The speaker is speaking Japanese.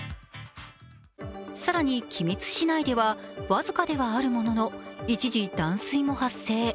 更に君津市内では僅かではあるものの、一時断水も発生。